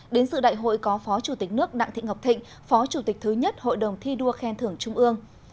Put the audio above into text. đến sự đại hội có phó chủ tịch nước đặng thị ngọc thịnh phó chủ tịch thứ nhất hội đồng thi đua khen thưởng trung ương